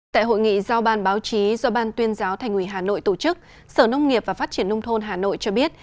tại hội nghị giao ban báo chí do ban tuyên giáo thành ủy hà nội tổ chức sở nông nghiệp và phát triển nông thôn hà nội cho biết